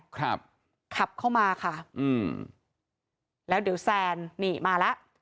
ครับขับเข้ามาค่ะอืมแล้วเดี๋ยวแซนนี่มาแล้ว